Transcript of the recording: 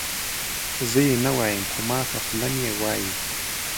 زه یې نه وایم خو ماته خوله مې یې وایي.